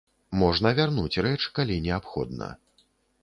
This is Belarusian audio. Можна вярнуць рэч, калі неабходна.